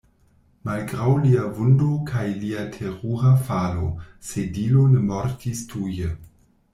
Malgraŭ lia vundo kaj lia terura falo, Sedilo ne mortis tuje.